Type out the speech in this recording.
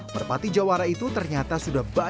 merpati jawara itu ternyata sudah berhasil